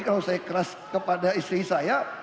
kalau saya keras kepada istri saya